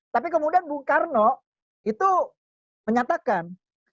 tapi kemudian bung karno itu menyatakan